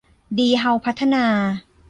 ดีเฮ้าส์พัฒนา